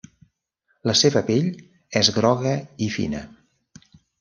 La seva pell és groga i fina.